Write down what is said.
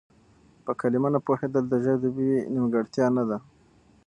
په کلمه نه پوهېدل د ژبې نيمګړتيا نه ده.